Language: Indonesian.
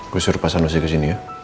gue suruh pasang nosi kesini ya